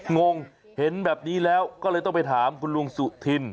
งงเห็นแบบนี้แล้วก็เลยต้องไปถามคุณลุงสุธิน